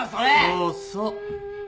・そうそう。